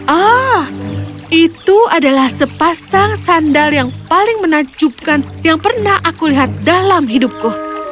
ah itu adalah sepasang sandal yang paling menakjubkan yang pernah aku lihat dalam hidupku